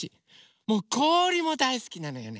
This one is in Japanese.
こおりもだいすきなのよね。